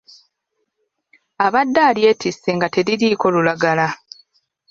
Abadde alyetisse nga teririiko lulagala.